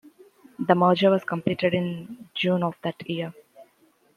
The merger was completed in June of that year.